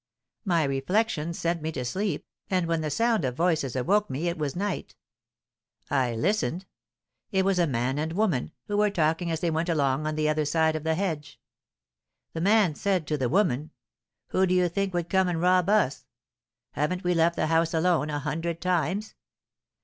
My reflections sent me to sleep, and when the sound of voices awoke me it was night. I listened. It was a man and woman, who were talking as they went along on the other side of the hedge. The man said to the woman, 'Who do you think would come and rob us? Haven't we left the house alone a hundred times?'